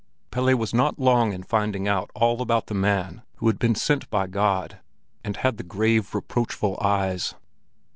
V Pelle was not long in finding out all about the man who had been sent by God, and had the grave, reproachful eyes.